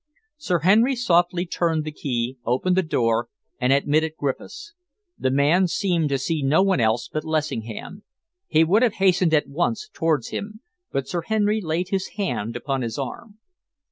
Sir Henry softly turned the key, opened the door, and admitted Griffiths. The man seemed to see no one else but Lessingham. He would have hastened at once towards him, but Sir Henry laid his hand upon his arm.